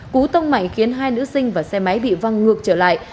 cú tông mạnh khiến hai nữ sinh và xe máy bị văng ngược trở lại